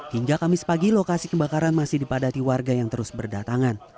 hingga kamis pagi lokasi kebakaran masih dipadati warga yang terus berdatangan